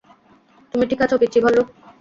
তুমি ঠিক আছো, পিচ্চি ভালুক?